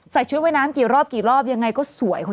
ใส่ชุดเวยน้ำกี่รอบยังไงก็สวย